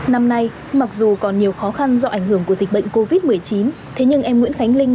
năm nay mặc dù còn nhiều khó khăn do ảnh hưởng của dịch bệnh covid một mươi chín thế nhưng em nguyễn khánh linh